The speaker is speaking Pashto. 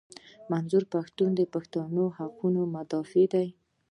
منظور پښتین د پښتنو د حقوقو مدافع دي.